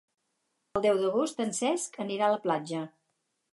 El deu d'agost en Cesc anirà a la platja.